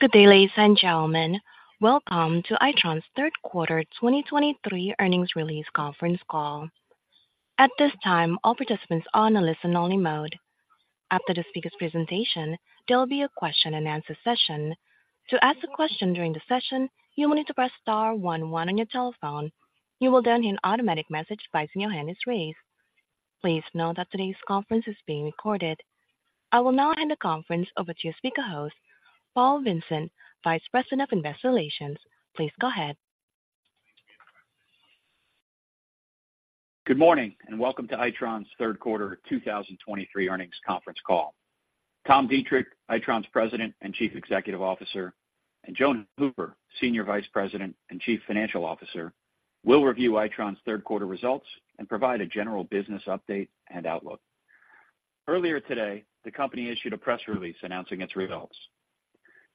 Good day, ladies and gentlemen. Welcome to Itron's third quarter 2023 earnings release conference call. At this time, all participants are on a listen-only mode. After the speaker's presentation, there will be a question-and-answer session. To ask a question during the session, you will need to press star one one on your telephone. You will then hear an automatic message advising your hand is raised. Please note that today's conference is being recorded. I will now hand the conference over to your speaker host, Paul Vincent, Vice President of Investor Relations. Please go ahead. Good morning, and welcome to Itron's third quarter 2023 earnings conference call. Tom Deitrich, Itron's President and Chief Executive Officer, and Joan Hooper, Senior Vice President and Chief Financial Officer, will review Itron's third quarter results and provide a general business update and outlook. Earlier today, the company issued a press release announcing its results.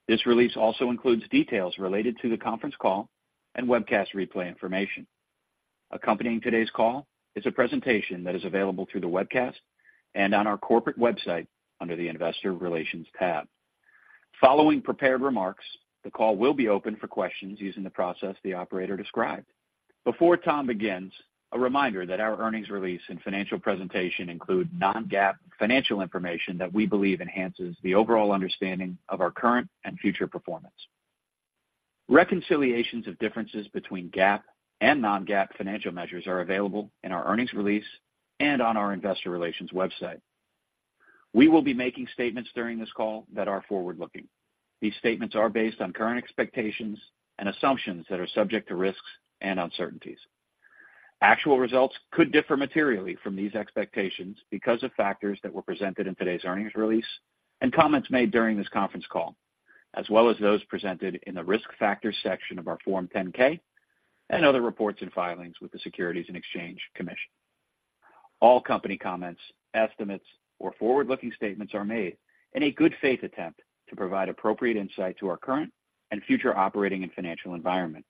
This release also includes details related to the conference call and webcast replay information. Accompanying today's call is a presentation that is available through the webcast and on our corporate website under the Investor Relations tab. Following prepared remarks, the call will be open for questions using the process the operator described. Before Tom begins, a reminder that our earnings release and financial presentation include non-GAAP financial information that we believe enhances the overall understanding of our current and future performance. Reconciliations of differences between GAAP and non-GAAP financial measures are available in our earnings release and on our Investor Relations website. We will be making statements during this call that are forward-looking. These statements are based on current expectations and assumptions that are subject to risks and uncertainties. Actual results could differ materially from these expectations because of factors that were presented in today's earnings release and comments made during this conference call, as well as those presented in the Risk Factors section of our Form 10-K and other reports and filings with the Securities and Exchange Commission. All company comments, estimates, or forward-looking statements are made in a good faith attempt to provide appropriate insight to our current and future operating and financial environment.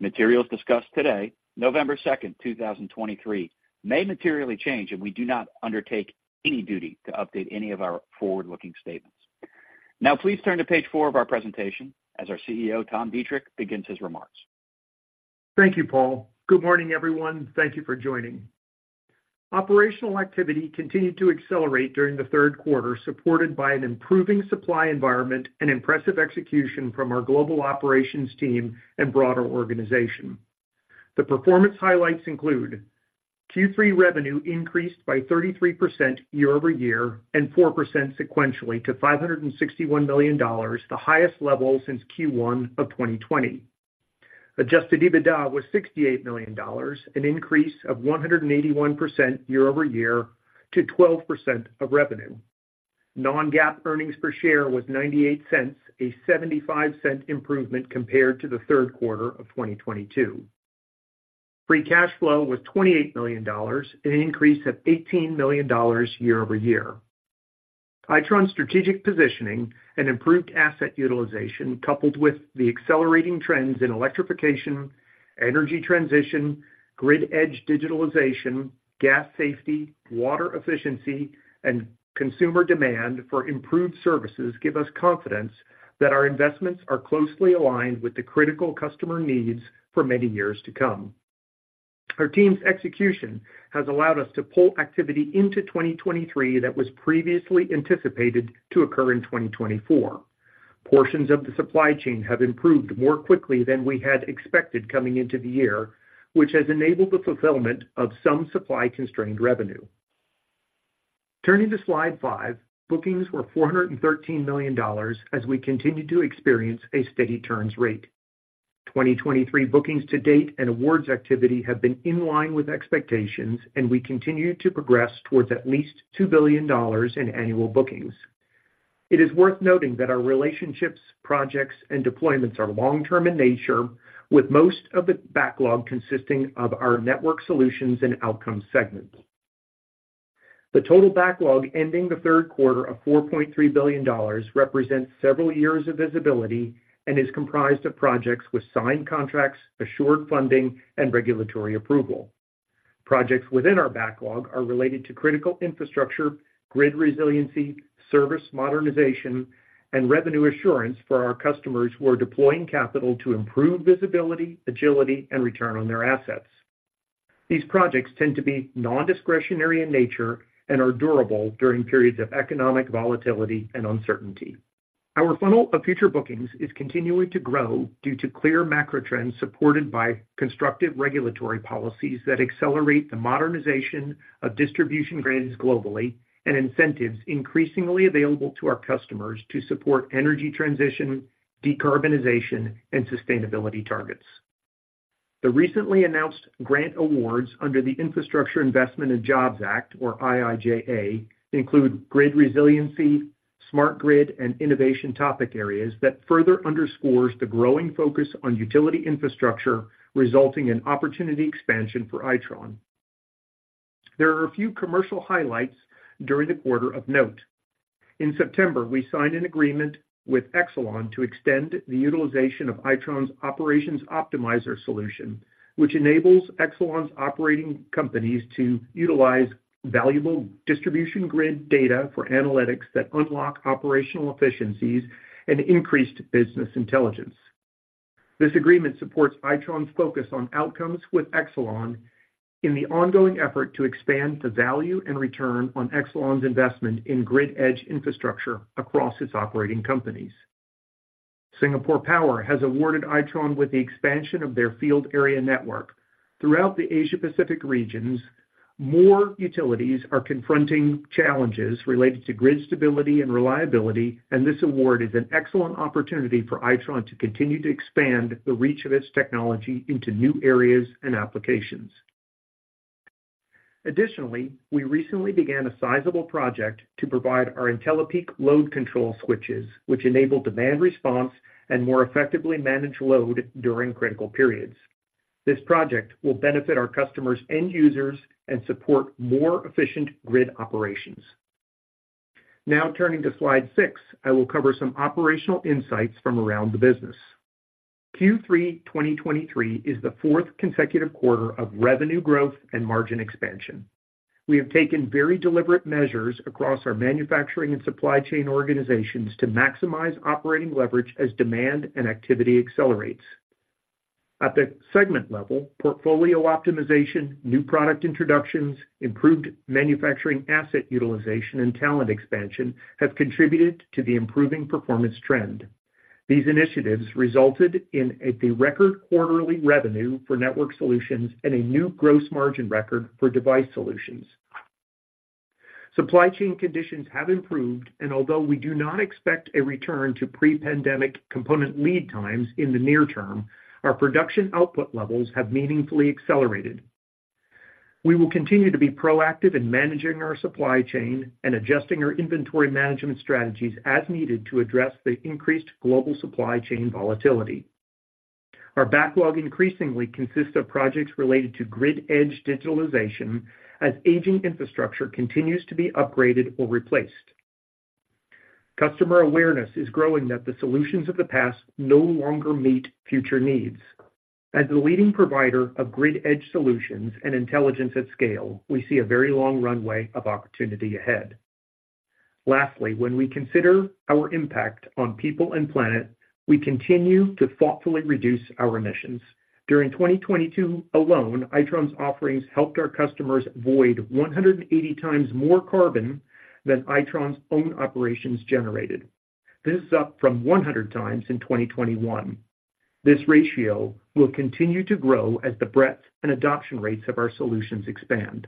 Materials discussed today, November 2nd, 2023, may materially change, and we do not undertake any duty to update any of our forward-looking statements. Now, please turn to page 4 of our presentation as our CEO, Tom Deitrich, begins his remarks. Thank you, Paul. Good morning, everyone. Thank you for joining. Operational activity continued to accelerate during the third quarter, supported by an improving supply environment and impressive execution from our global operations team and broader organization. The performance highlights include: Q3 revenue increased by 33% year-over-year and 4% sequentially to $561 million, the highest level since Q1 of 2020. Adjusted EBITDA was $68 million, an increase of 181% year-over-year to 12% of revenue. Non-GAAP earnings per share was $0.98, a $0.75 improvement compared to the third quarter of 2022. Free cash flow was $28 million, an increase of $18 million year-over-year. Itron's strategic positioning and improved asset utilization, coupled with the accelerating trends in electrification, energy transition, grid-edge digitalization, gas safety, water efficiency, and consumer demand for improved services, give us confidence that our investments are closely aligned with the critical customer needs for many years to come. Our team's execution has allowed us to pull activity into 2023 that was previously anticipated to occur in 2024. Portions of the supply chain have improved more quickly than we had expected coming into the year, which has enabled the fulfillment of some supply-constrained revenue. Turning to Slide 5, bookings were $413 million as we continued to experience a steady turns rate. 2023 bookings to date and awards activity have been in line with expectations, and we continue to progress towards at least $2 billion in annual bookings. It is worth noting that our relationships, projects, and deployments are long-term in nature, with most of the backlog consisting of our Networked Solutions and Outcomes segments. The total backlog ending the third quarter of $4.3 billion represents several years of visibility and is comprised of projects with signed contracts, assured funding, and regulatory approval. Projects within our backlog are related to critical infrastructure, grid resiliency, service modernization, and revenue assurance for our customers who are deploying capital to improve visibility, agility, and return on their assets. These projects tend to be non-discretionary in nature and are durable during periods of economic volatility and uncertainty. Our funnel of future bookings is continuing to grow due to clear macro trends, supported by constructive regulatory policies that accelerate the modernization of distribution grids globally and incentives increasingly available to our customers to support energy transition, decarbonization, and sustainability targets. The recently announced grant awards under the Infrastructure Investment and Jobs Act, or IIJA, include grid resiliency, smart grid, and innovation topic areas that further underscores the growing focus on utility infrastructure, resulting in opportunity expansion for Itron. There are a few commercial highlights during the quarter of note. In September, we signed an agreement with Exelon to extend the utilization of Itron's Operations Optimizer solution, which enables Exelon's operating companies to utilize valuable distribution grid data for analytics that unlock operational efficiencies and increased business intelligence. This agreement supports Itron's focus on Outcomes with Exelon in the ongoing effort to expand the value and return on Exelon's investment in grid-edge infrastructure across its operating companies. Singapore Power has awarded Itron with the expansion of their field area network. Throughout the Asia-Pacific regions, more utilities are confronting challenges related to grid stability and reliability, and this award is an excellent opportunity for Itron to continue to expand the reach of its technology into new areas and applications. Additionally, we recently began a sizable project to provide our IntelliPEAK load control switches, which enable demand response and more effectively manage load during critical periods. This project will benefit our customers' end users and support more efficient grid operations. Now turning to Slide 6, I will cover some operational insights from around the business. Q3 2023 is the fourth consecutive quarter of revenue growth and margin expansion. We have taken very deliberate measures across our manufacturing and supply chain organizations to maximize operating leverage as demand and activity accelerates. At the segment level, portfolio optimization, new product introductions, improved manufacturing, asset utilization, and talent expansion have contributed to the improving performance trend. These initiatives resulted in the record quarterly revenue for Networked Solutions and a new gross margin record for Device Solutions. Supply chain conditions have improved, and although we do not expect a return to pre-pandemic component lead times in the near term, our production output levels have meaningfully accelerated. We will continue to be proactive in managing our supply chain and adjusting our inventory management strategies as needed to address the increased global supply chain volatility. Our backlog increasingly consists of projects related to grid edge digitalization, as aging infrastructure continues to be upgraded or replaced. Customer awareness is growing that the solutions of the past no longer meet future needs. As the leading provider of grid-edge solutions and intelligence at scale, we see a very long runway of opportunity ahead. Lastly, when we consider our impact on people and planet, we continue to thoughtfully reduce our emissions. During 2022 alone, Itron's offerings helped our customers avoid 180x more carbon than Itron's own operations generated. This is up from 100x in 2021. This ratio will continue to grow as the breadth and adoption rates of our solutions expand.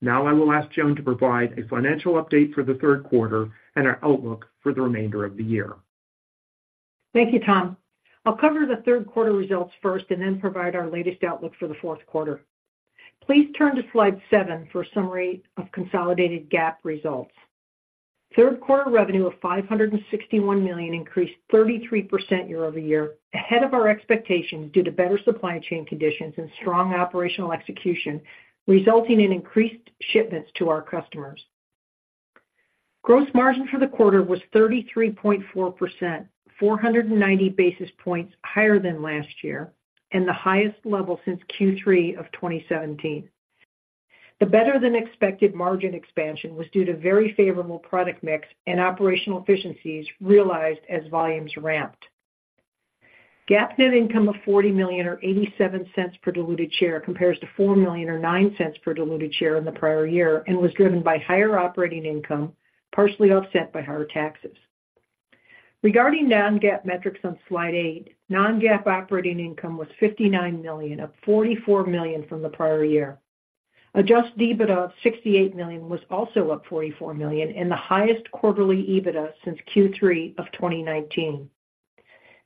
Now I will ask Joan to provide a financial update for the third quarter and our outlook for the remainder of the year. Thank you, Tom. I'll cover the third quarter results first and then provide our latest outlook for the fourth quarter. Please turn to Slide 7 for a summary of consolidated GAAP results. Third quarter revenue of $561 million increased 33% year-over-year, ahead of our expectations, due to better supply chain conditions and strong operational execution, resulting in increased shipments to our customers. Gross margin for the quarter was 33.4%, 490 basis points higher than last year and the highest level since Q3 of 2017. The better-than-expected margin expansion was due to very favorable product mix and operational efficiencies realized as volumes ramped. GAAP net income of $40 million, or $0.87 per diluted share, compares to $4 million or $0.09 per diluted share in the prior year and was driven by higher operating income, partially offset by higher taxes. Regarding non-GAAP metrics on Slide 8, non-GAAP operating income was $59 million, up $44 million from the prior year. Adjusted EBITDA of $68 million was also up $44 million and the highest quarterly EBITDA since Q3 of 2019.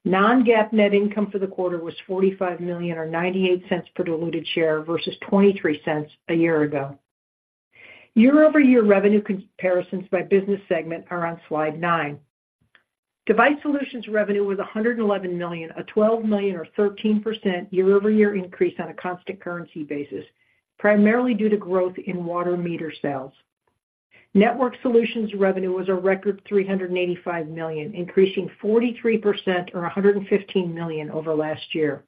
Non-GAAP net income for the quarter was $45 million, or $0.98 per diluted share versus $0.23 a year ago. Year-over-year revenue comparisons by business segment are on Slide 9. Device Solutions revenue was $111 million, a $12 million or 13% year-over-year increase on a constant currency basis, primarily due to growth in water meter sales. Networked Solutions revenue was a record $385 million, increasing 43% or $115 million over last year.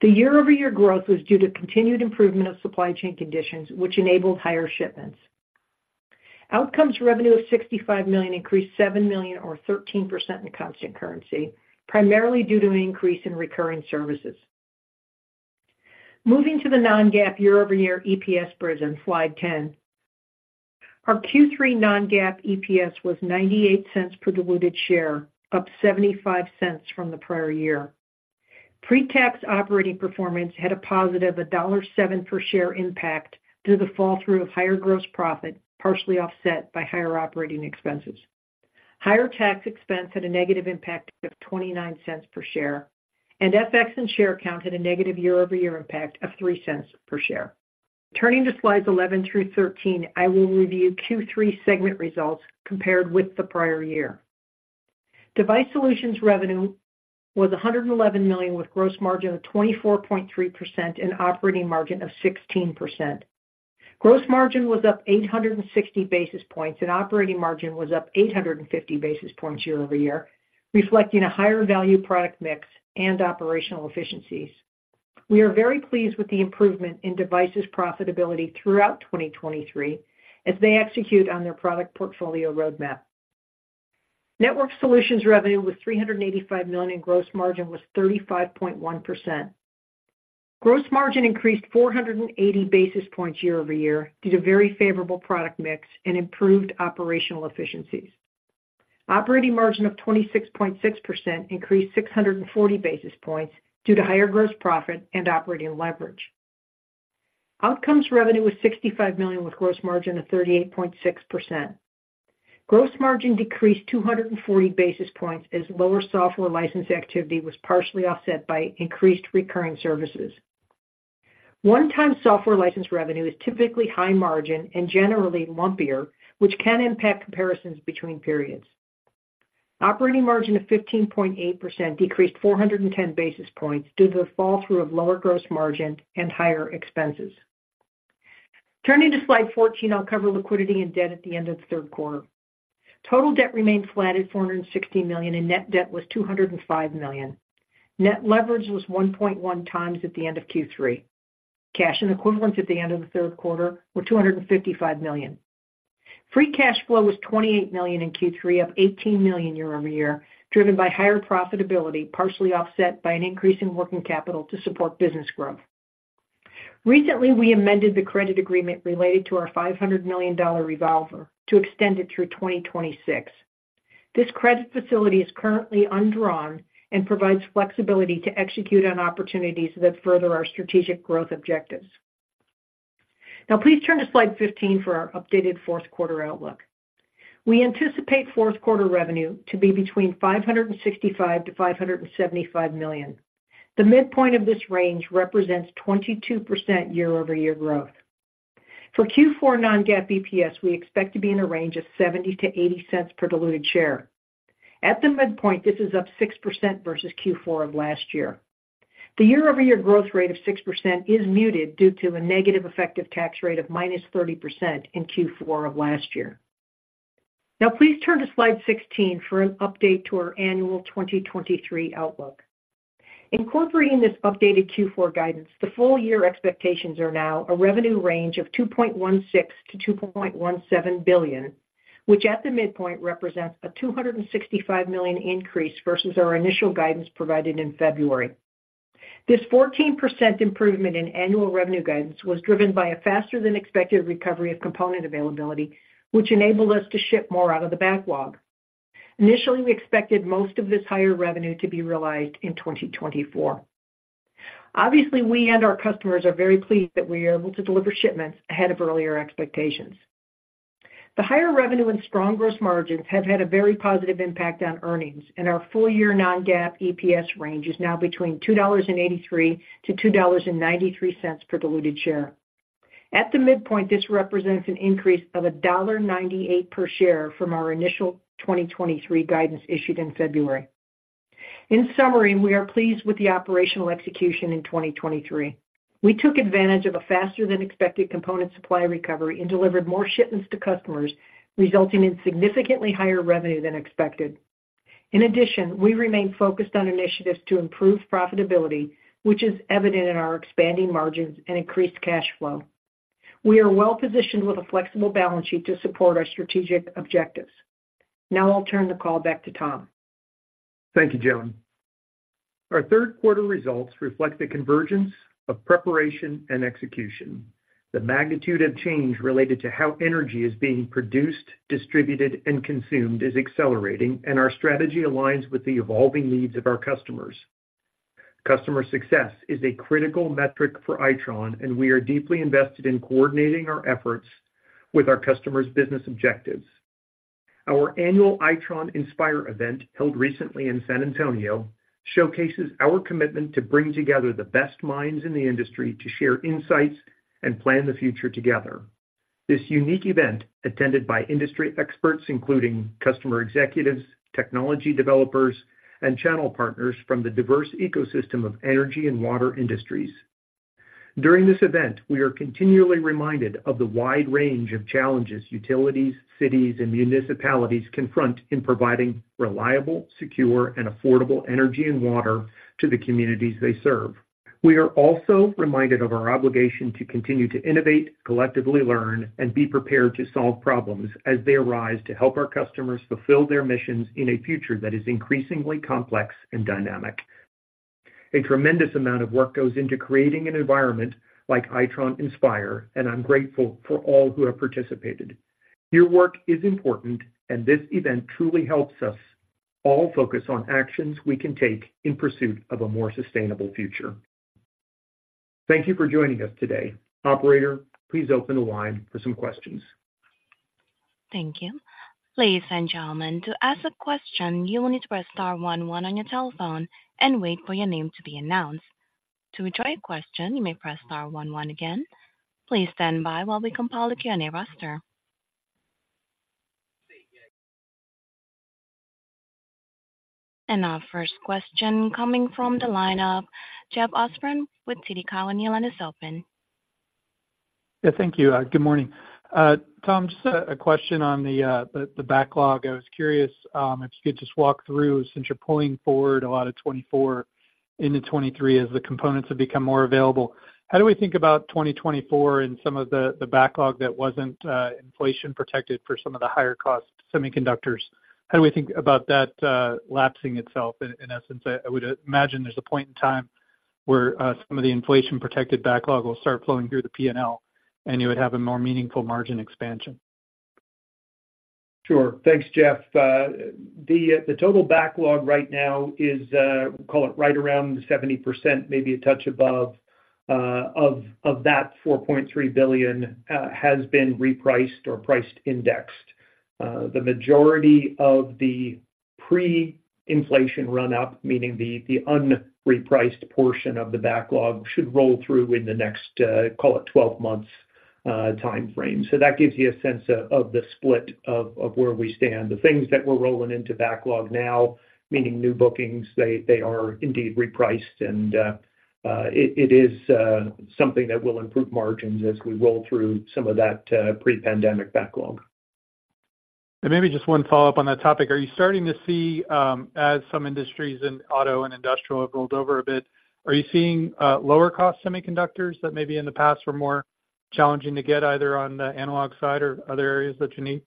The year-over-year growth was due to continued improvement of supply chain conditions, which enabled higher shipments. Outcomes revenue of $65 million increased $7 million or 13% in constant currency, primarily due to an increase in recurring services. Moving to the non-GAAP year-over-year EPS prism, Slide 10. Our Q3 non-GAAP EPS was $0.98 per diluted share, up $0.75 from the prior year. Pre-tax operating performance had a positive $1.07 per share impact due to the fall through of higher gross profit, partially offset by higher operating expenses. Higher tax expense had a negative impact of $0.29 per share, and FX and share count had a negative year-over-year impact of $0.03 per share. Turning to Slides 11 through 13, I will review Q3 segment results compared with the prior year. Device Solutions revenue was $111 million, with gross margin of 24.3% and operating margin of 16%. Gross margin was up 860 basis points, and operating margin was up 850 basis points year-over-year, reflecting a higher value product mix and operational efficiencies. We are very pleased with the improvement in Device Solutions profitability throughout 2023, as they execute on their product portfolio roadmap. Networked Solutions revenue was $385 million, and gross margin was 35.1%. Gross margin increased 480 basis points year-over-year, due to very favorable product mix and improved operational efficiencies. Operating margin of 26.6% increased 640 basis points due to higher gross profit and operating leverage. Outcomes revenue was $65 million, with gross margin of 38.6%. Gross margin decreased 240 basis points, as lower software license activity was partially offset by increased recurring services. One-time software license revenue is typically high margin and generally lumpier, which can impact comparisons between periods. Operating margin of 15.8% decreased 410 basis points due to the fall through of lower gross margin and higher expenses. Turning to slide 14, I'll cover liquidity and debt at the end of the third quarter. Total debt remained flat at $460 million, and net debt was $205 million. Net leverage was 1.1x at the end of Q3. Cash and equivalents at the end of the third quarter were $255 million. Free cash flow was $28 million in Q3, up $18 million year-over-year, driven by higher profitability, partially offset by an increase in working capital to support business growth. Recently, we amended the credit agreement related to our $500 million revolver to extend it through 2026. This credit facility is currently undrawn and provides flexibility to execute on opportunities that further our strategic growth objectives. Now, please turn to slide 15 for our updated fourth quarter outlook. We anticipate fourth quarter revenue to be between $565 million-$575 million. The midpoint of this range represents 22% year-over-year growth. For Q4 non-GAAP EPS, we expect to be in a range of $0.70-$0.80 per diluted share. At the midpoint, this is up 6% versus Q4 of last year. The year-over-year growth rate of 6% is muted due to a negative effective tax rate of -30% in Q4 of last year. Now, please turn to slide 16 for an update to our annual 2023 outlook. Incorporating this updated Q4 guidance, the full year expectations are now a revenue range of $2.16 billion-$2.17 billion, which at the midpoint represents a $265 million increase versus our initial guidance provided in February. This 14% improvement in annual revenue guidance was driven by a faster than expected recovery of component availability, which enabled us to ship more out of the backlog. Initially, we expected most of this higher revenue to be realized in 2024. Obviously, we and our customers are very pleased that we are able to deliver shipments ahead of earlier expectations. The higher revenue and strong gross margins have had a very positive impact on earnings, and our full-year non-GAAP EPS range is now between $2.83-$2.93 per diluted share. At the midpoint, this represents an increase of $1.98 per share from our initial 2023 guidance issued in February. In summary, we are pleased with the operational execution in 2023. We took advantage of a faster than expected component supply recovery and delivered more shipments to customers, resulting in significantly higher revenue than expected. In addition, we remain focused on initiatives to improve profitability, which is evident in our expanding margins and increased cash flow. We are well positioned with a flexible balance sheet to support our strategic objectives. Now I'll turn the call back to Tom. Thank you, Joan. Our third quarter results reflect the convergence of preparation and execution. The magnitude of change related to how energy is being produced, distributed, and consumed is accelerating, and our strategy aligns with the evolving needs of our customers. Customer success is a critical metric for Itron, and we are deeply invested in coordinating our efforts with our customers' business objectives. Our annual Itron Inspire event, held recently in San Antonio, showcases our commitment to bring together the best minds in the industry to share insights and plan the future together. This unique event, attended by industry experts, including customer executives, technology developers, and channel partners from the diverse ecosystem of energy and water industries. During this event, we are continually reminded of the wide range of challenges utilities, cities, and municipalities confront in providing reliable, secure, and affordable energy and water to the communities they serve. We are also reminded of our obligation to continue to innovate, collectively learn, and be prepared to solve problems as they arise, to help our customers fulfill their missions in a future that is increasingly complex and dynamic. A tremendous amount of work goes into creating an environment like Itron Inspire, and I'm grateful for all who have participated. Your work is important, and this event truly helps us all focus on actions we can take in pursuit of a more sustainable future. Thank you for joining us today. Operator, please open the line for some questions. Thank you. Ladies and gentlemen, to ask a question, you will need to press star one one on your telephone and wait for your name to be announced. To withdraw your question, you may press star one one again. Please stand by while we compile the Q&A roster. Our first question coming from the line of Jeff Osborne with TD Cowen. Your line is open. Yeah, thank you. Good morning. Tom, just a question on the backlog. I was curious if you could just walk through, since you're pulling forward a lot of 2024 into 2023 as the components have become more available, how do we think about 2024 and some of the backlog that wasn't inflation protected for some of the higher cost semiconductors? How do we think about that lapsing itself? In essence, I would imagine there's a point in time where some of the inflation-protected backlog will start flowing through the P&L, and you would have a more meaningful margin expansion. Sure. Thanks, Jeff. The total backlog right now is, call it right around 70%, maybe a touch above, of that $4.3 billion, has been repriced or price indexed. The majority of the pre-inflation run up, meaning the unrepriced portion of the backlog, should roll through in the next, call it 12 months' time frame. So that gives you a sense of the split of where we stand. The things that we're rolling into backlog now, meaning new bookings, they are indeed repriced, and it is something that will improve margins as we roll through some of that pre-pandemic backlog. Maybe just one follow-up on that topic. Are you starting to see, as some industries in auto and industrial have rolled over a bit, are you seeing lower cost semiconductors that maybe in the past were more challenging to get, either on the analog side or other areas that you need?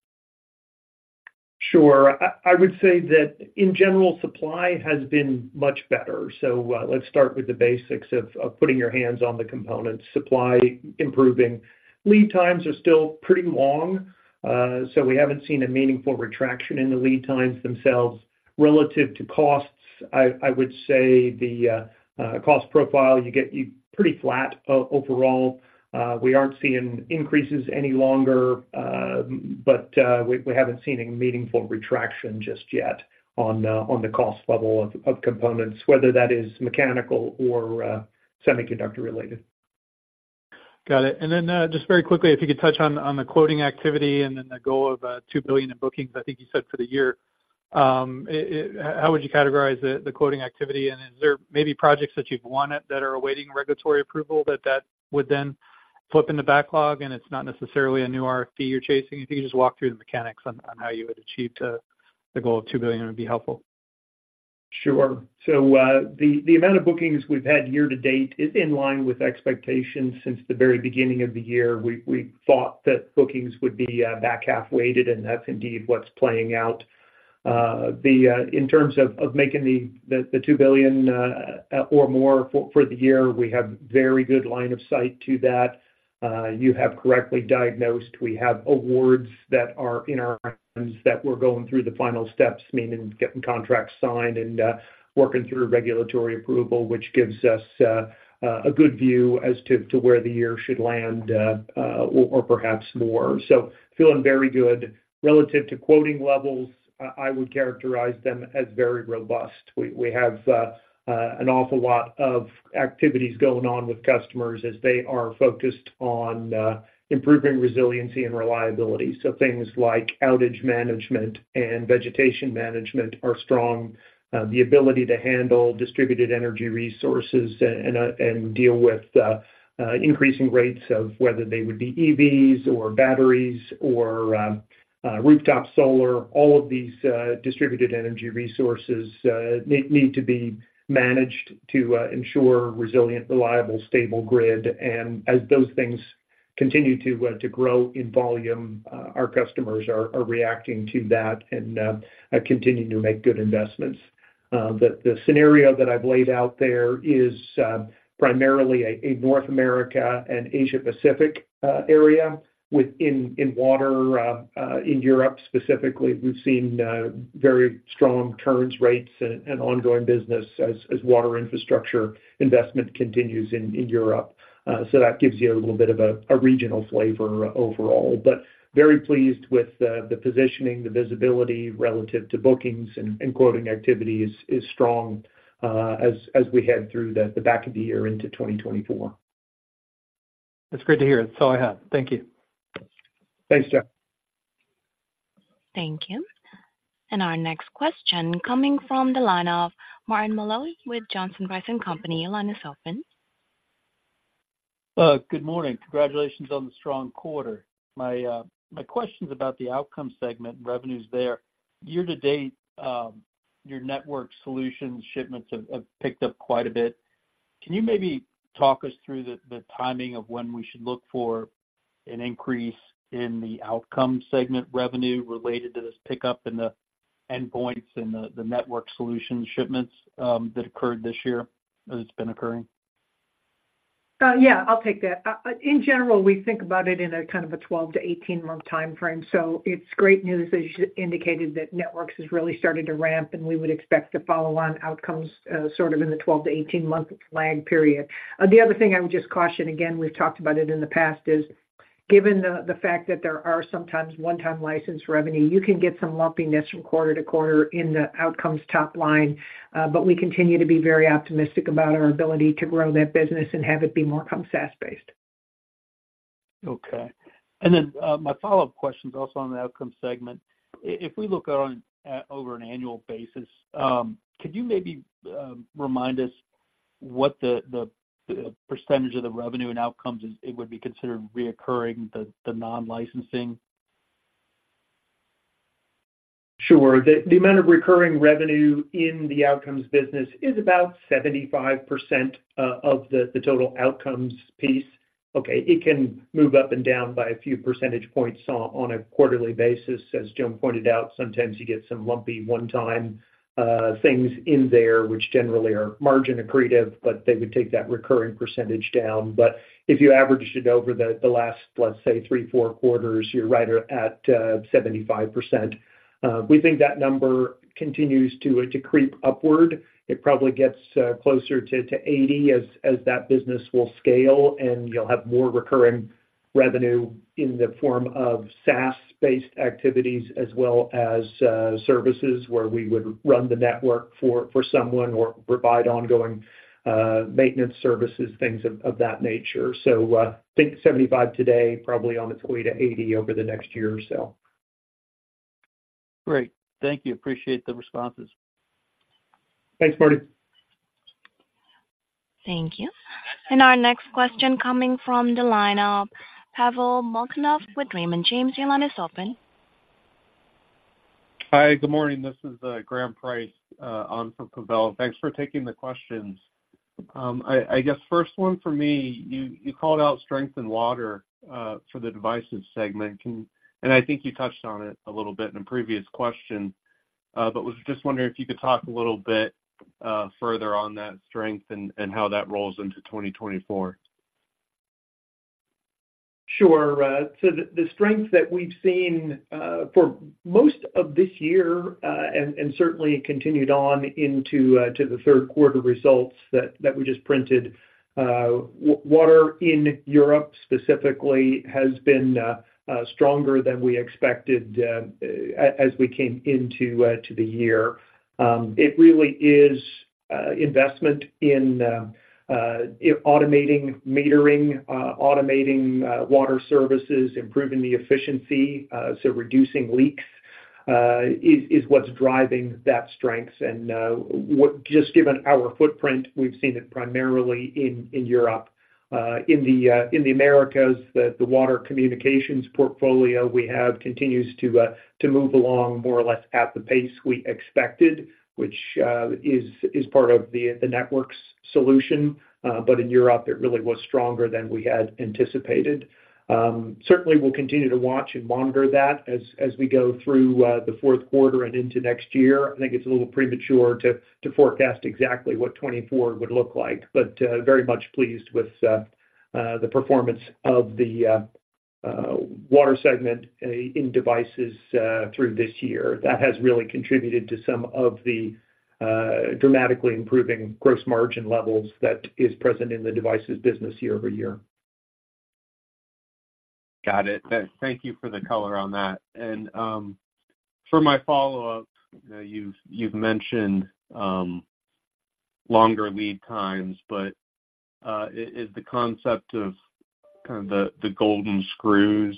Sure. I would say that in general, supply has been much better. So, let's start with the basics of putting your hands on the components, supply improving. Lead times are still pretty long, so we haven't seen a meaningful retraction in the lead times themselves. Relative to costs, I would say the cost profile you get pretty flat overall. We aren't seeing increases any longer, but we haven't seen a meaningful retraction just yet on the cost level of components, whether that is mechanical or semiconductor related. Got it. And then, just very quickly, if you could touch on, on the quoting activity and then the goal of $2 billion in bookings, I think you said for the year. How would you categorize the, the quoting activity, and is there maybe projects that you've won it, that are awaiting regulatory approval, that that would then flip in the backlog and it's not necessarily a new RFP you're chasing? If you could just walk through the mechanics on, on how you would achieve to the goal of $2 billion would be helpful. Sure. So, the amount of bookings we've had year to date is in line with expectations since the very beginning of the year. We thought that bookings would be back half weighted, and that's indeed what's playing out. In terms of making the $2 billion or more for the year, we have very good line of sight to that. You have correctly diagnosed. We have awards that we're going through the final steps, meaning getting contracts signed and working through regulatory approval, which gives us a good view as to where the year should land or perhaps more. So feeling very good. Relative to quoting levels, I would characterize them as very robust. We have an awful lot of activities going on with customers as they are focused on improving resiliency and reliability. So things like outage management and vegetation management are strong. The ability to handle distributed energy resources and deal with increasing rates of whether they would be EVs or batteries or rooftop solar, all of these distributed energy resources, need to be managed to ensure resilient, reliable, stable grid. And as those things continue to grow in volume, our customers are reacting to that and continuing to make good investments. The scenario that I've laid out there is primarily a North America and Asia-Pacific area within water in Europe specifically. We've seen very strong turn rates and ongoing business as water infrastructure investment continues in Europe. So that gives you a little bit of a regional flavor overall. But very pleased with the positioning, the visibility relative to bookings and quoting activities is strong, as we head through the back of the year into 2024. That's great to hear. That's all I have. Thank you. Thanks, Jeff. Thank you. Our next question coming from the line of Martin Malloy with Johnson Rice and Company. Your line is open. Good morning. Congratulations on the strong quarter. My question is about the Outcomes segment and revenues there. Year to date, your Networked Solutions shipments have picked up quite a bit. Can you maybe talk us through the timing of when we should look for an increase in the Outcomes segment revenue related to this pickup in the endpoints and the Networked Solutions shipments that occurred this year, as it's been occurring? Yeah, I'll take that. In general, we think about it in a kind of a 12- to 18-month time frame. So it's great news, as you indicated, that Networked has really started to ramp, and we would expect to follow on Outcomes, sort of in the 12- to 18-month lag period. The other thing I would just caution, again, we've talked about it in the past, is given the fact that there are sometimes one-time license revenue, you can get some lumpiness from quarter to quarter in the Outcomes top line. But we continue to be very optimistic about our ability to grow that business and have it be more come SaaS-based. Okay. And then, my follow-up question is also on the Outcomes segment. If we look on over an annual basis, could you maybe remind us what the percentage of the revenue and Outcomes is, it would be considered recurring, the non-licensing? Sure. The amount of recurring revenue in the Outcomes business is about 75% of the total Outcomes piece. Okay, it can move up and down by a few percentage points on a quarterly basis. As Joan pointed out, sometimes you get some lumpy one-time things in there, which generally are margin accretive, but they would take that recurring percentage down. But if you averaged it over the last, let's say, three, four quarters, you're right at 75%. We think that number continues to creep upward. It probably gets closer to 80 as that business will scale, and you'll have more recurring revenue in the form of SaaS-based activities, as well as services, where we would run the network for someone or provide ongoing maintenance services, things of that nature. Think 75% today, probably on its way to 80% over the next year or so. Great. Thank you. Appreciate the responses. Thanks, Marty. Thank you. Our next question coming from the line of Pavel Molchanov with Raymond James. Your line is open. Hi, good morning. This is Graham Price on for Pavel. Thanks for taking the questions. I guess first one for me, you called out strength in water for the Devices segment. And I think you touched on it a little bit in a previous question, but was just wondering if you could talk a little bit further on that strength and how that rolls into 2024. Sure. So the strength that we've seen for most of this year and certainly continued on into the third quarter results that we just printed, water in Europe specifically has been stronger than we expected, as we came into the year. It really is investment in automating metering, automating water services, improving the efficiency, so reducing leaks, is what's driving that strength. And just given our footprint, we've seen it primarily in Europe. In the Americas, the water communications portfolio we have continues to move along more or less at the pace we expected, which is part of the Networked Solution. In Europe, it really was stronger than we had anticipated. Certainly, we'll continue to watch and monitor that as we go through the fourth quarter and into next year. I think it's a little premature to forecast exactly what 2024 would look like, but very much pleased with the performance of the water segment in devices through this year. That has really contributed to some of the dramatically improving gross margin levels that is present in the devices business year-over-year. Got it. Thank you for the color on that. And for my follow-up, you've mentioned longer lead times, but is the concept of the golden screw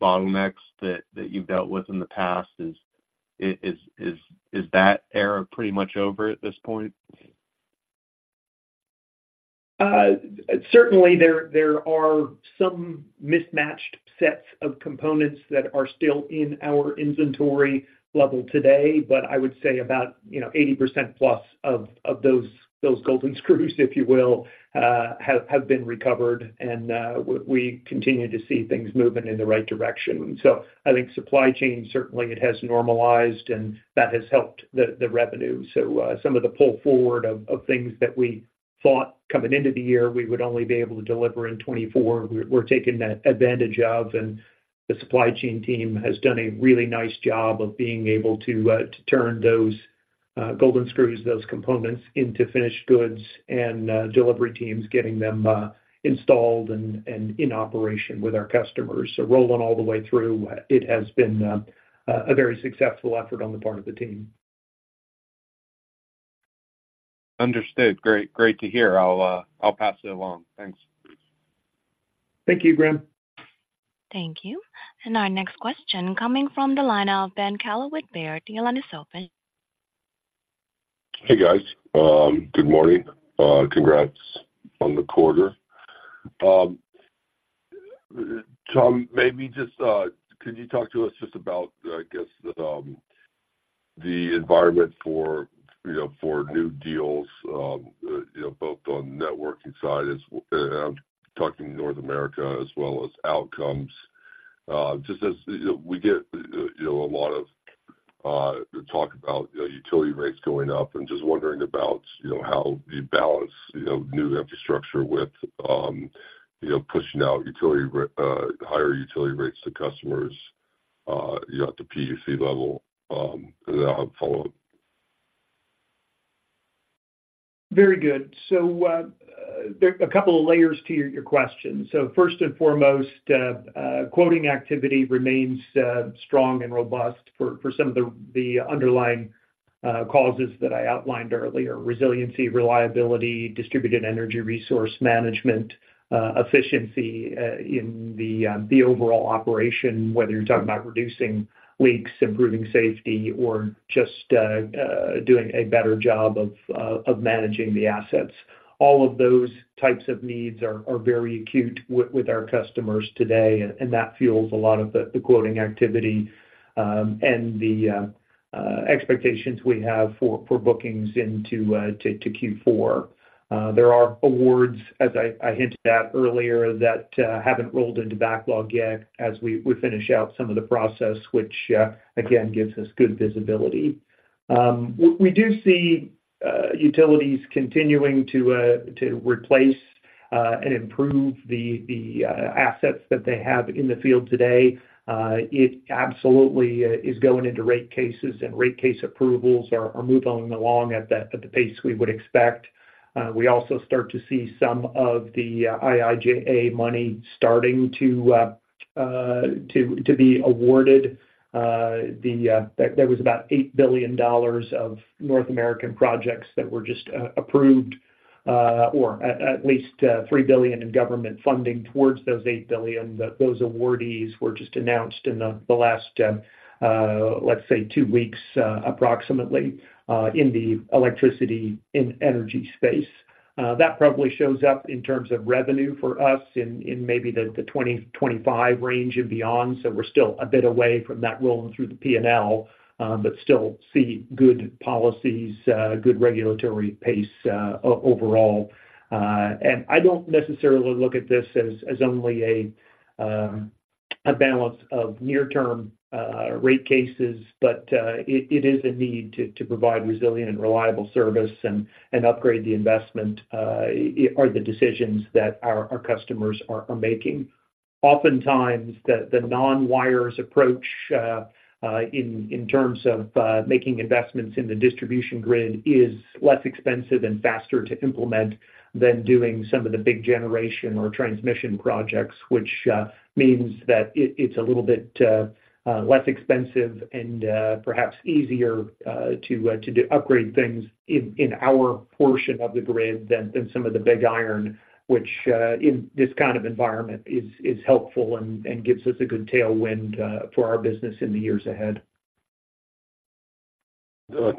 bottlenecks that you've dealt with in the past, is that era pretty much over at this point? Certainly there are some mismatched sets of components that are still in our inventory level today, but I would say about, you know, 80+% of those golden screws, if you will, have been recovered, and we continue to see things moving in the right direction. So I think supply chain certainly it has normalized, and that has helped the revenue. So, some of the pull forward of things that we thought coming into the year, we would only be able to deliver in 2024, we're taking that advantage of, and the supply chain team has done a really nice job of being able to turn those golden screws, those components, into finished goods and delivery teams getting them installed and in operation with our customers. Rolling all the way through, it has been a very successful effort on the part of the team. Understood. Great, great to hear. I'll pass it along. Thanks. Thank you, Graham. Thank you. And our next question coming from the line of Ben Kallo with Baird. Your line is open. Hey, guys, good morning. Congrats on the quarter. Tom, maybe just could you talk to us just about, I guess, the environment for, you know, for new deals, you know, both on the networking side as, I'm talking North America as well as Outcomes. Just as, you know, we get, you know, a lot of talk about, you know, utility rates going up and just wondering about, you know, how you balance, you know, new infrastructure with, you know, pushing out higher utility rates to customers, you know, at the PUC level, and then I'll follow up. Very good. So, there a couple of layers to your question. So first and foremost, quoting activity remains strong and robust for some of the underlying causes that I outlined earlier, resiliency, reliability, distributed energy resource management, efficiency in the overall operation, whether you're talking about reducing leaks, improving safety, or just doing a better job of managing the assets. All of those types of needs are very acute with our customers today, and that fuels a lot of the quoting activity and the expectations we have for bookings into Q4. There are awards, as I hinted at earlier, that haven't rolled into backlog yet as we finish out some of the process, which again gives us good visibility. We do see utilities continuing to replace and improve the assets that they have in the field today. It absolutely is going into rate cases, and rate case approvals are moving along at the pace we would expect. We also start to see some of the IIJA money starting to be awarded. There was about $8 billion of North American projects that were just approved, or at least $3 billion in government funding towards those $8 billion, that those awardees were just announced in the last, let's say, 2 weeks, approximately, in the electricity and energy space. That probably shows up in terms of revenue for us in maybe the 2025 range and beyond. So we're still a bit away from that rolling through the P&L, but still see good policies, good regulatory pace, overall. And I don't necessarily look at this as only a balance of near-term rate cases, but it is a need to provide resilient and reliable service and upgrade the investment; these are the decisions that our customers are making. Oftentimes, the non-wires approach in terms of making investments in the distribution grid is less expensive and faster to implement than doing some of the big generation or transmission projects, which means that it is a little bit less expensive and perhaps easier to upgrade things in our portion of the grid than some of the big iron, which in this kind of environment is helpful and gives us a good tailwind for our business in the years ahead.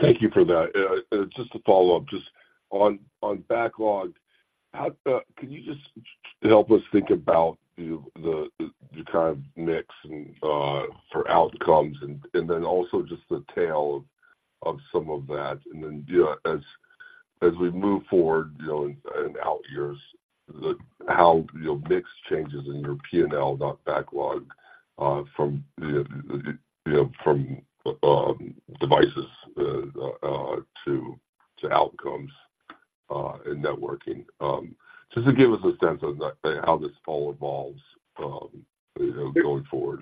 Thank you for that. Just to follow up, just on backlog, how can you just help us think about the kind of mix and for outcomes, and then also just the tail of some of that? Then, you know, as we move forward, you know, and out years, how mix changes in your P&L, not backlog, from, you know, from Devices to Outcomes and networking. Just to give us a sense of that, how this all evolves, you know, going forward.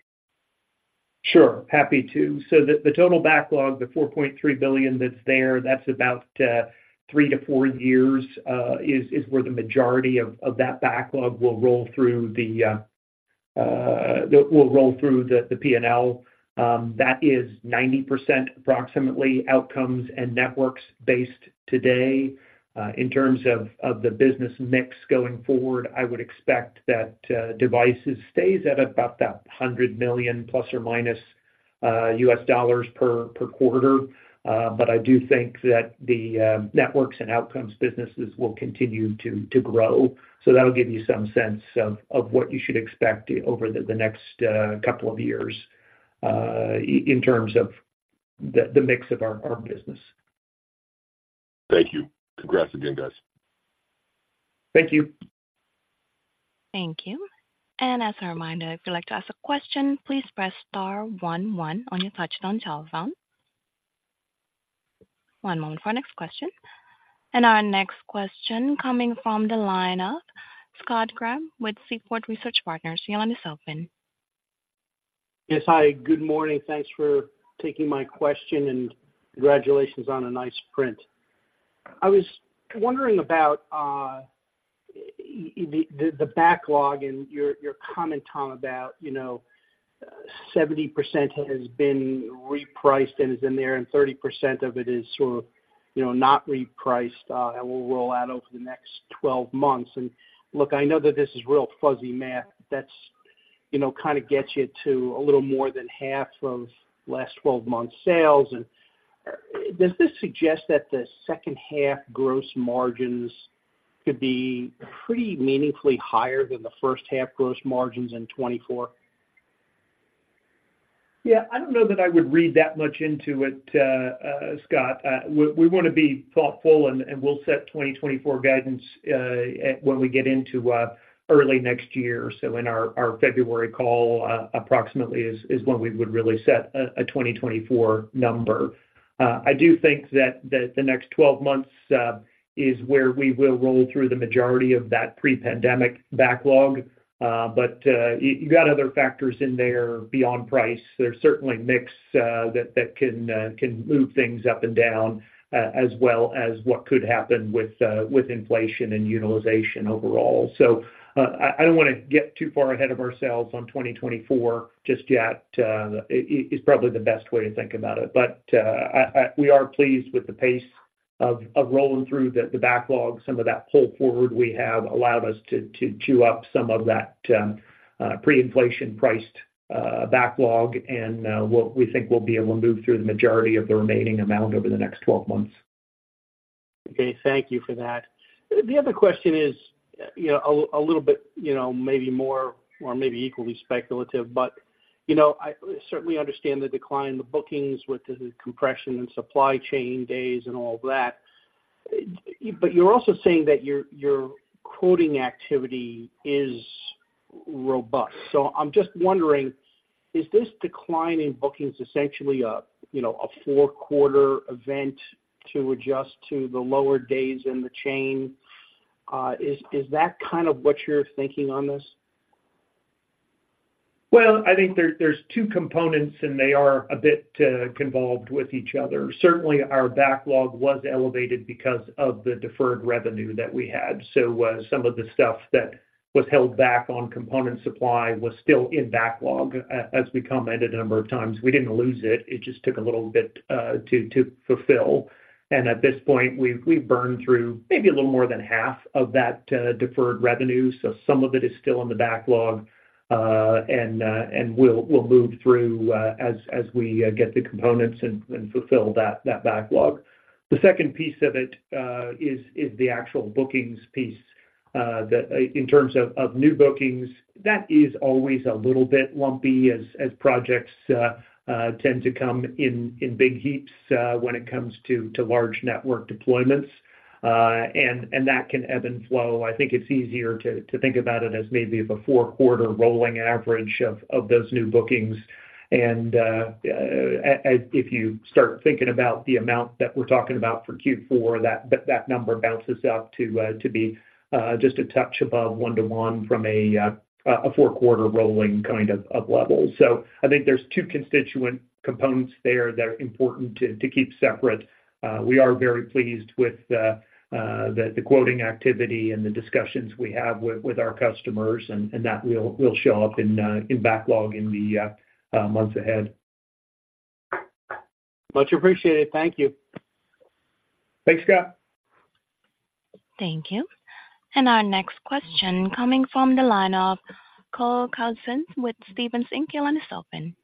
Sure, happy to. So the total backlog, the $4.3 billion that's there, that's about 3-4 years, is where the majority of that backlog will roll through the P&L. That is 90%, approximately, Outcomes and networks based today. In terms of the business mix going forward, I would expect that Devices stays at about that $100 million, ±, per quarter. But I do think that the Networked and Outcomes businesses will continue to grow. So that'll give you some sense of what you should expect over the next couple of years, in terms of the mix of our business. Thank you. Congrats again, guys. Thank you. Thank you. As a reminder, if you'd like to ask a question, please press star one one on your touchtone telephone. One moment for our next question. Our next question coming from the line of Scott Graham with Seaport Research Partners. Your line is open. Yes. Hi, good morning. Thanks for taking my question, and congratulations on a nice print. I was wondering about the backlog and your comment, Tom, about, you know, 70% has been repriced and is in there, and 30% of it is sort of, you know, not repriced, and will roll out over the next 12 months. And look, I know that this is real fuzzy math, that's, you know, kind of gets you to a little more than half of last 12 months sales. And does this suggest that the second half gross margins could be pretty meaningfully higher than the first half gross margins in 2024? Yeah. I don't know that I would read that much into it, Scott. We wanna be thoughtful, and we'll set 2024 guidance when we get into early next year. So in our February call, approximately, is when we would really set a 2024 number. I do think that the next 12 months is where we will roll through the majority of that pre-pandemic backlog. But you got other factors in there beyond price. There's certainly mix that can move things up and down, as well as what could happen with inflation and utilization overall. So, I don't wanna get too far ahead of ourselves on 2024 just yet, is probably the best way to think about it. But, we are pleased with the pace of rolling through the backlog. Some of that pull forward we have allowed us to chew up some of that pre-inflation-priced backlog, and what we think we'll be able to move through the majority of the remaining amount over the next 12 months. Okay, thank you for that. The other question is, you know, a little bit, you know, maybe more or maybe equally speculative, but, you know, I certainly understand the decline in the bookings with the compression and supply chain delays and all that. But you're also saying that your quoting activity is robust. So I'm just wondering, is this decline in bookings essentially a, you know, a four-quarter event to adjust to the lower delays in the chain? Is that kind of what you're thinking on this? Well, I think there's two components, and they are a bit convoluted with each other. Certainly, our backlog was elevated because of the deferred revenue that we had. So, some of the stuff that was held back on component supply was still in backlog. As we commented a number of times, we didn't lose it, it just took a little bit to fulfill. And at this point, we've burned through maybe a little more than half of that deferred revenue, so some of it is still in the backlog, and we'll move through as we get the components and fulfill that backlog. The second piece of it is the actual bookings piece. That in terms of, of new bookings, that is always a little bit lumpy as, as projects, tend to come in, in big heaps, when it comes to, to large network deployments, and, and that can ebb and flow. I think it's easier to, to think about it as maybe of a 4-quarter rolling average of, of those new bookings. And, and if you start thinking about the amount that we're talking about for Q4, that, that number bounces up to, to be, just a touch above 1:1 from a, a 4-quarter rolling kind of, level. So I think there's 2 constituent components there that are important to, to keep separate. We are very pleased with the quoting activity and the discussions we have with our customers, and that will show up in backlog in the months ahead. Much appreciated. Thank you. Thanks, Scott. Thank you. And our next question, coming from the line of Cole Carlson with Stephens Inc. Your line is open.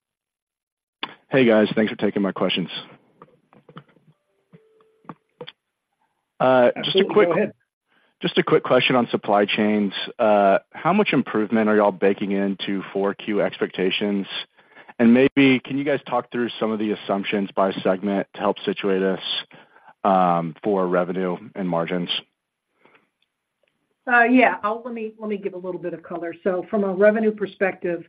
Hey, guys. Thanks for taking my questions. Just a quick- Go ahead. Just a quick question on supply chains. How much improvement are y'all baking into 4Q expectations? And maybe can you guys talk through some of the assumptions by segment to help situate us for revenue and margins? Yeah, let me give a little bit of color. So from a revenue perspective,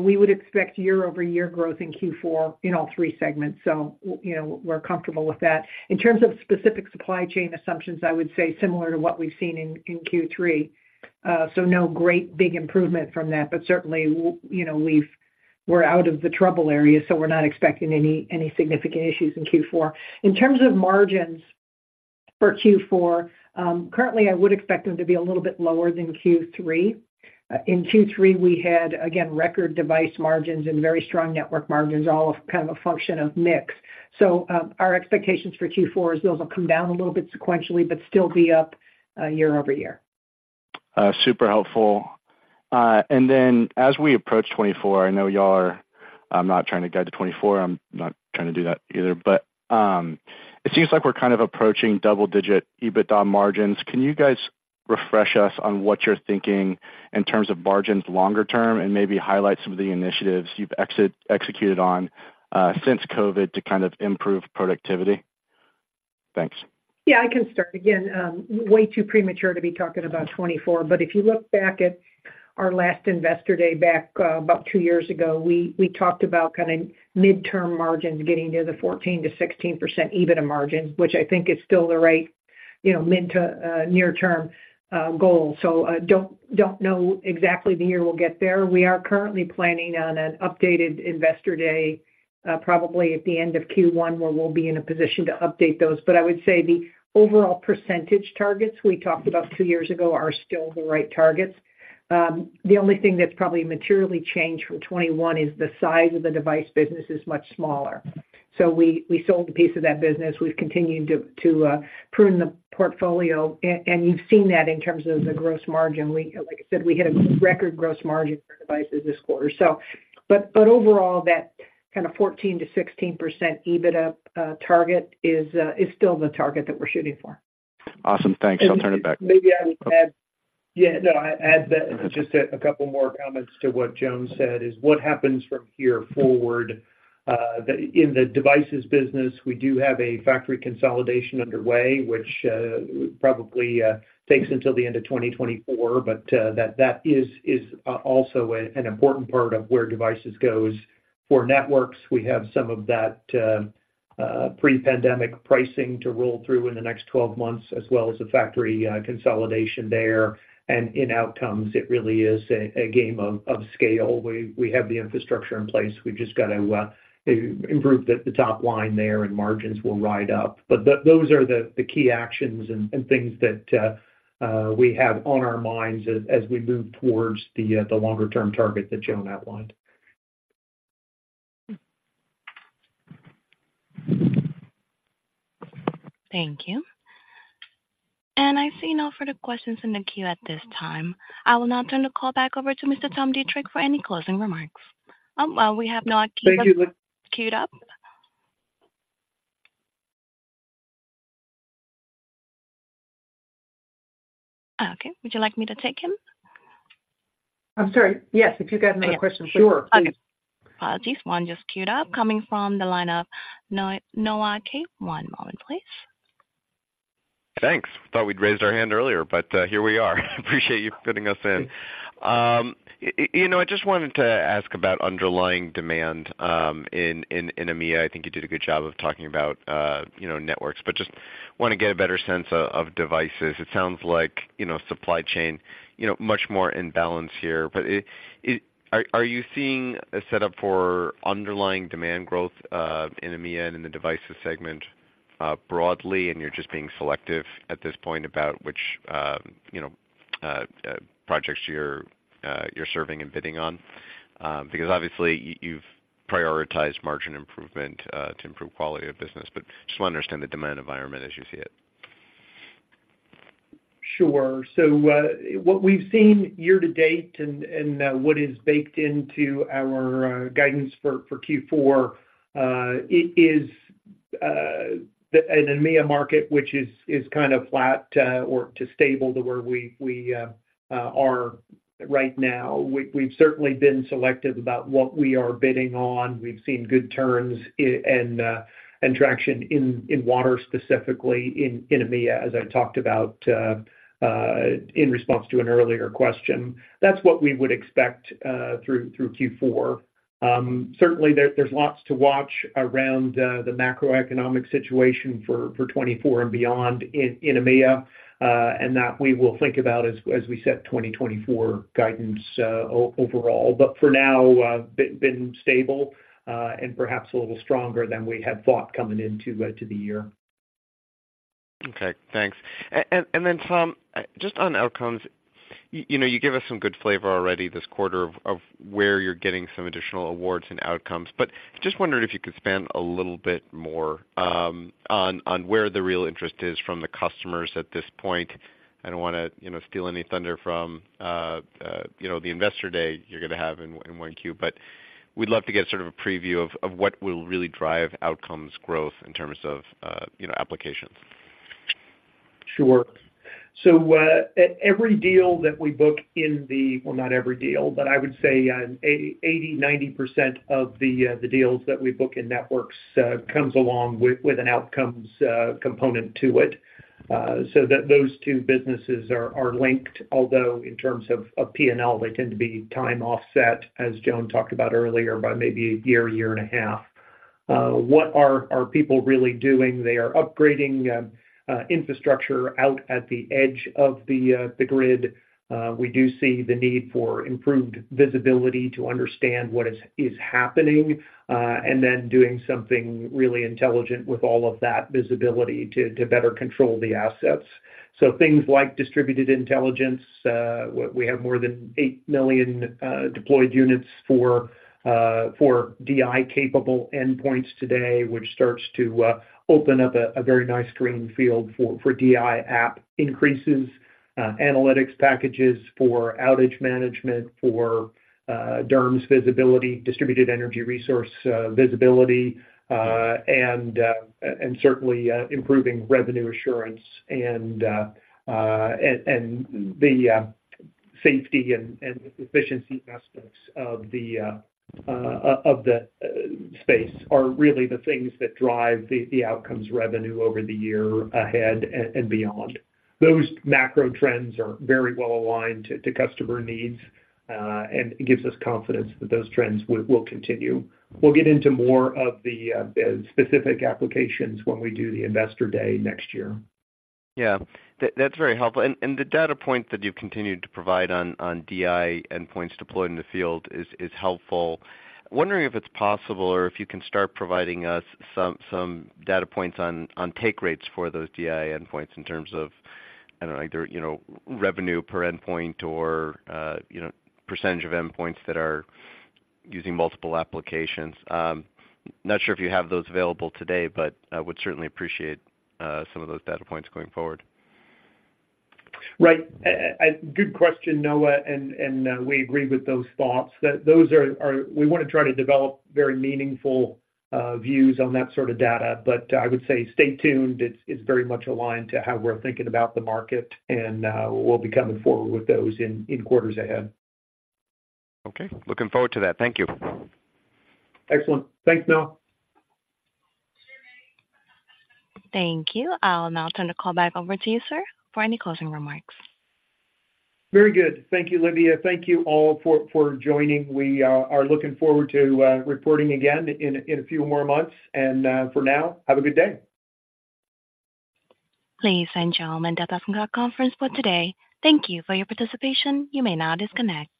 we would expect year-over-year growth in Q4 in all three segments. So, you know, we're comfortable with that. In terms of specific supply chain assumptions, I would say similar to what we've seen in Q3. So no great big improvement from that, but certainly, you know, we're out of the trouble area, so we're not expecting any significant issues in Q4. In terms of margins for Q4, currently, I would expect them to be a little bit lower than Q3. In Q3, we had, again, record Device margins and very strong Networked margins, all of kind of a function of mix. So, our expectations for Q4 is those will come down a little bit sequentially, but still be up, year-over-year. Super helpful. And then as we approach 2024, I know y'all are, I'm not trying to guide to 2024, I'm not trying to do that either, but, it seems like we're kind of approaching double-digit EBITDA margins. Can you guys refresh us on what you're thinking in terms of margins longer term, and maybe highlight some of the initiatives you've executed on, since COVID to kind of improve productivity? Thanks. Yeah, I can start. Again, way too premature to be talking about 2024, but if you look back at our last Investor Day back about 2 years ago, we talked about kind of midterm margins getting near the 14%-16% EBITDA margin, which I think is still the right, you know, mid to near term goal. So, don't know exactly the year we'll get there. We are currently planning on an updated investor day, probably at the end of Q1, where we'll be in a position to update those. But I would say the overall percentage targets we talked about 2 years ago are still the right targets. The only thing that's probably materially changed from 2021 is the size of the device business is much smaller. So we sold a piece of that business. We've continued to prune the portfolio, and you've seen that in terms of the gross margin. We, like I said, we hit a record gross margin for Devices this quarter. So but overall, that kind of 14%-16% EBITDA target is still the target that we're shooting for. Awesome. Thanks. I'll turn it back- Maybe I would add. Yeah, no, I add that, just a couple more comments to what Joan said is, what happens from here forward, the in the Devices business, we do have a factory consolidation underway, which, probably, takes until the end of 2024, but, that is also an important part of where Devices goes. For Networked, we have some of that, pre-pandemic pricing to roll through in the next 12 months, as well as a factory, consolidation there. And in Outcomes, it really is a game of scale. We have the infrastructure in place. We've just got to improve the top line there, and margins will ride up. But those are the key actions and things that we have on our minds as we move towards the longer-term target that Joan outlined. .Thank you. I see no further questions in the queue at this time. I will now turn the call back over to Mr. Tom Deitrich for any closing remarks. Well, we have Noah queued up- Thank you. Okay. Would you like me to take him? I'm sorry. Yes, if you got another question, sure, please. Okay. Apologies. One just queued up, coming from the line of Noah Kaye. One moment, please. Thanks. Thought we'd raised our hand earlier, but here we are. Appreciate you fitting us in. You know, I just wanted to ask about underlying demand in EMEA. I think you did a good job of talking about, you know, Networked, but just wanna get a better sense of devices. It sounds like, you know, supply chain, you know, much more in balance here, but it-- Are you seeing a setup for underlying demand growth in EMEA and in the Devices segment broadly, and you're just being selective at this point about which, you know, projects you're serving and bidding on? Because obviously, you've prioritized margin improvement to improve quality of business, but just wanna understand the demand environment as you see it. Sure. So, what we've seen year to date and what is baked into our guidance for Q4, it is the EMEA market, which is kind of flat or too stable to where we are right now. We've certainly been selective about what we are bidding on. We've seen good turns and traction in water, specifically in EMEA, as I talked about in response to an earlier question. That's what we would expect through Q4. Certainly, there's lots to watch around the macroeconomic situation for 2024 and beyond in EMEA, and that we will think about as we set 2024 guidance overall. But for now, been stable, and perhaps a little stronger than we had thought coming into the year. Okay, thanks. And then, Tom, just on Outcomes, you know, you gave us some good flavor already this quarter of where you're getting some additional awards and Outcomes. But just wondering if you could expand a little bit more, on where the real interest is from the customers at this point. I don't wanna, you know, steal any thunder from, you know, the investor day you're gonna have in 1Q, but we'd love to get sort of a preview of what will really drive Outcomes growth in terms of, you know, applications. Sure. So, every deal that we book in the... Well, not every deal, but I would say 80%-90% of the deals that we book in Networked comes along with an Outcomes component to it, so that those two businesses are linked. Although in terms of P&L, they tend to be time offset, as Joan talked about earlier, by maybe a year, year and a half. What are our people really doing? They are upgrading infrastructure out at the edge of the grid. We do see the need for improved visibility to understand what is happening, and then doing something really intelligent with all of that visibility to better control the assets. So things like Distributed Intelligence, we have more than 8 million deployed units for DI-capable endpoints today, which starts to open up a very nice green field for DI app increases, analytics packages for outage management, for DERMS visibility, distributed energy resource visibility, and certainly improving revenue assurance and the safety and efficiency aspects of the space are really the things that drive the Outcomes revenue over the year ahead and beyond. Those macro trends are very well aligned to customer needs, and it gives us confidence that those trends will continue. We'll get into more of the specific applications when we do the investor day next year. Yeah, that, that's very helpful. And, and the data point that you've continued to provide on, on DI endpoints deployed in the field is, is helpful. Wondering if it's possible, or if you can start providing us some, some data points on, on take rates for those DI endpoints in terms of, I don't know, either, you know, revenue per endpoint or, you know, percentage of endpoints that are using multiple applications. Not sure if you have those available today, but I would certainly appreciate some of those data points going forward. Right. A good question, Noah, and we agree with those thoughts. That those are. We wanna try to develop very meaningful views on that sort of data, but I would say stay tuned. It's very much aligned to how we're thinking about the market, and we'll be coming forward with those in quarters ahead. Okay. Looking forward to that. Thank you. Excellent. Thanks, Noah. Thank you. I'll now turn the call back over to you, sir, for any closing remarks. Very good. Thank you, Lydia. Thank you all for joining. We are looking forward to reporting again in a few more months, and for now, have a good day. Ladies and gentlemen, that ends our conference for today. Thank you for your participation. You may now disconnect.